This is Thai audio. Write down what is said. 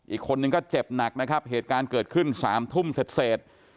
อีกคนนึงก็เจ็บหนักนะครับเหตุการณ์เกิดขึ้น๓ทุ่มเสร็จ